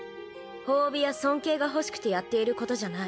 褒美や尊敬が欲しくてやっていることじゃない。